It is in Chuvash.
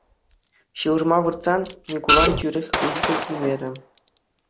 Ҫывӑрма выртсан, Микулан тӳрех ыйхӑ килмерӗ.